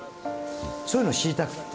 そういうの知りたくって。